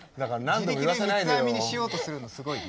自力で三つ編みにしようとするのすごいね。